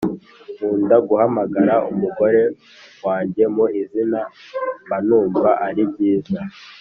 Nkuda guhamagara umugore wanjye mu izina mbanumva aribyiza